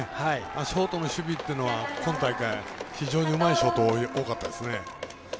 ショートの守備っていうのは今大会、非常にいい守備が多かったですね。